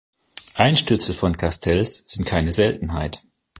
Einstürze von Castells sind keine Seltenheit.